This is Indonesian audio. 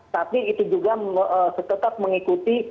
tapi itu juga tetap mengikuti